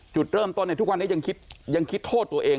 จุดจุดเริ่มต้นทุกวันนี้คุณยังคิดทรมานจุดทธิ์ของตัวเอง